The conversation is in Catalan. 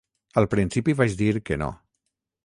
Al principi vaig dir que no.